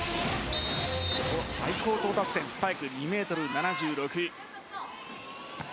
最高到達点、スパイク２ｍ７６。